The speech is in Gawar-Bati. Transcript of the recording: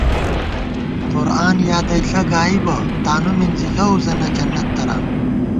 قرآن یادَئݪہ گائیبہ تانُو مِنزی ، لَؤ زَنہ، جنت تران